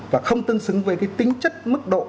và không tương xứng với cái tính chất mức độ